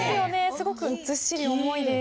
すごくずっしり重いです。